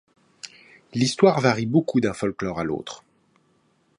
L'histoire varie beaucoup d'un folklore à l'autre.